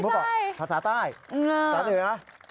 ปัสสาห์ใต้ปัสสาห์ตือ